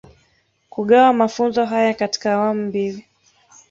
Kugawa mafunzo haya katika awamu mbili